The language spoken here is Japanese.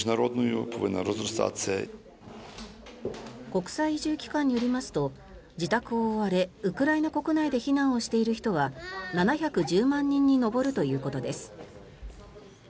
国際移住機関によりますと自宅を追われウクライナ国内で避難をしている人は７１０万人に上るということです。